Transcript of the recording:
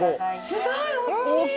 すごいおっきい！